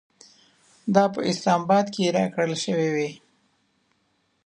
دا په اسلام اباد کې راکړل شوې وې.